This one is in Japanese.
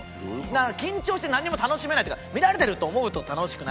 緊張してなんにも楽しめないっていうか見られてると思うと楽しくないじゃないですか。